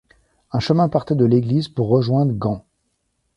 Un chemin partait de l'église pour rejoindre Gans.